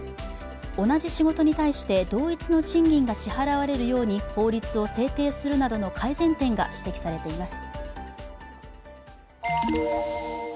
同じ仕事に対して同一の賃金が支払われるように法律を制定するなどの改善点が指摘されています。